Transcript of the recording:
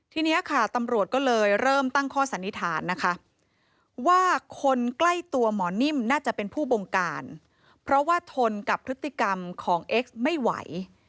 ทีนี้ค่ะตำรวจก็เลยเริ่มตั้งข้อสันนิษฐานนะคะว่าคนใกล้ตัวหมอนิ่มน่าจะเป็นผู้บงการเพราะว่าทนกับพฤติกรรมของเอ็กซ์ไม่ไหว